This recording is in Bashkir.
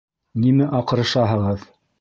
— Нимә аҡырышаһығыҙ?